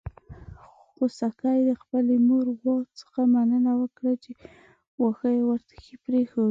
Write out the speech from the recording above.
خوسکي د خپلې مور غوا څخه مننه وکړه چې واښه يې ورته پرېښودل.